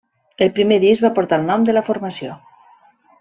El primer disc va portar el nom de la formació.